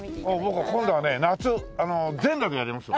僕今度はね夏全裸でやりますわ。